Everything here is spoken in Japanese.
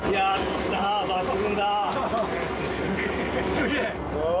すげえ。